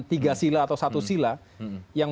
tiga sila atau satu sila yang